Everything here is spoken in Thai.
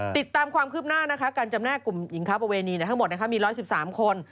ติดตามความคืบหน้านะคะการจำแน่กลุ่มหญิงค้าประเวณีทั้งหมดมี๑๑๓คน